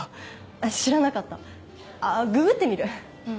知らなかったあっググってみるうん